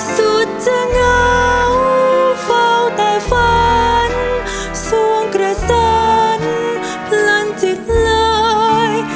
สุดจะเหงาเฝ้าแต่ฝันสวงกระสนเพลินจิตลอย